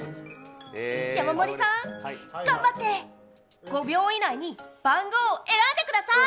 山盛りさん、頑張って５秒以内に選んでください！